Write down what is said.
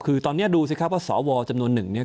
คือตอนนี้ดูสิครับว่าศวจำนวล๑เนี่ย